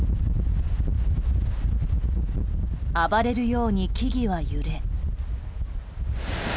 暴れるように木々は揺れ。